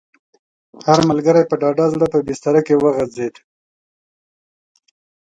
هر ملګری په ډاډه زړه په بستره کې وغځېد.